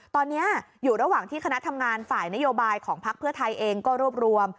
ตอนนี้อยู่ระหว่างที่คณะทำงานฝ่ายนโยบายของพักเพื่อไทยเองก็รวบรวม